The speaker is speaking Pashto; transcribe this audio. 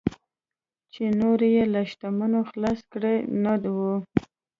چې نور یې له شتمنیو خلاص کړي نه وي.